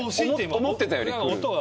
思ってたよりくる。